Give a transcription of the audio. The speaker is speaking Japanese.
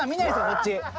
こっち。